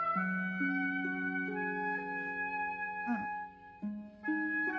うん。